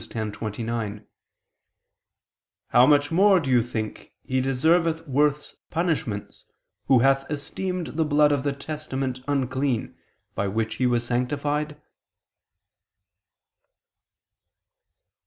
10:29: "How much more, do you think, he deserveth worse punishments ... who hath esteemed the blood of the testament unclean, by which he was sanctified?"